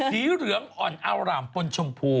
สีเหลืองอ่อนอารามปนชมพู